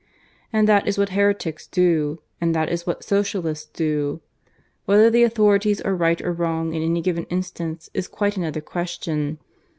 And that is what heretics do; and that is what Socialists do. Whether the authorities are right or wrong in any given instance is quite another question.